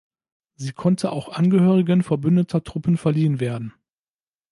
Sie konnte auch Angehörigen verbündeter Truppen verliehen werden.